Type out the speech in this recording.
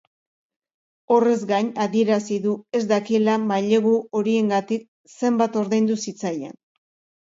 Horrez gain, adierazi du ez dakiela mailegu horiengatik zenbat ordaindu zitzaien.